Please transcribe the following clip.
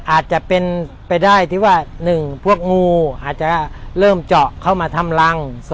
อาจจะเป็นไปได้ที่ว่า๑พวกงูอาจจะเริ่มเจาะเข้ามาทำรัง